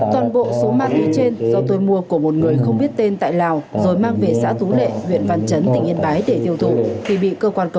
toàn bộ số ma túy trên do tôi mua của một người không biết tên tại lào rồi mang về xã tú lệ huyện văn chấn tỉnh yên bái để tiêu thụ